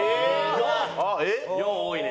４多いね。